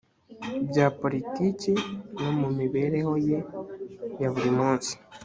bya politiki no mu mibereho ye ya buri munsi